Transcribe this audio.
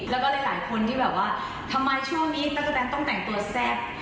แล้วก็หลายคนที่แบบว่าทำไมช่วงนี้นักแสดงต้องแต่งตัวแซ่บ